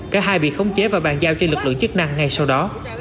cả hai bị khống chế và bàn giao cho lực lượng chức năng ngay sau đó